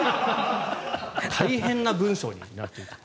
大変な文章になっている。